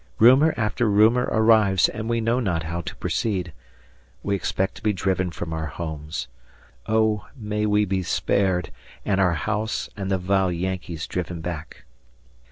Rumor after rumor arrives, and we know not how to proceed. We expect to be driven from our homes. Oh! may we be spared, and our house, and the vile Yankees driven back.